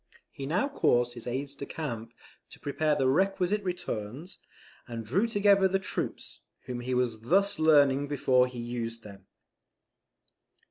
He now caused his aides de camp to prepare the requisite returns, and drew together the troops, whom he was thus learning before he used them.